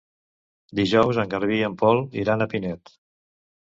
Dijous en Garbí i en Pol iran a Pinet.